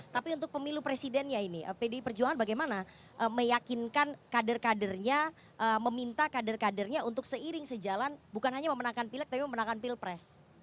tapi untuk pemilu presidennya ini pdi perjuangan bagaimana meyakinkan kader kadernya meminta kader kadernya untuk seiring sejalan bukan hanya memenangkan pilek tapi memenangkan pilpres